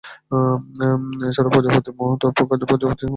এছাড়াও প্রজাপতি, মথ এবং পোকা প্রজাতির এখনো পুরোপুরি সংখ্যা নির্ণীত হয়নি।